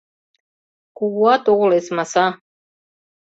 Кугуат огыл эсмаса